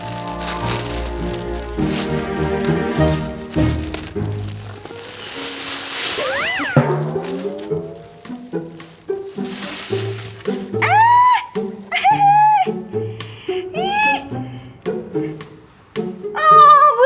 tidak ada apa